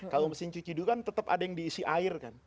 kalau mesin cuci dulu kan tetap ada yang diisi air kan